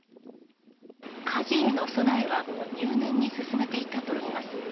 火事への備えは入念に進めていたといいます。